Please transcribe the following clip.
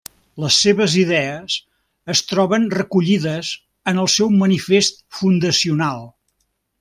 Les seves idees es troben recollides en el seu manifest fundacional.